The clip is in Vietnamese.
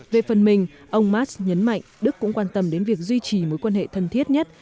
về phần mình ông mars nhấn mạnh đức cũng quan tâm đến việc duy trì mối quan hệ thân thiết nhất